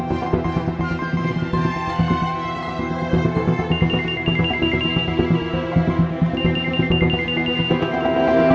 iya juga sih